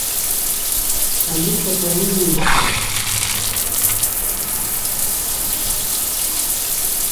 علی کتیݨوۡ مِیش دےۡ؟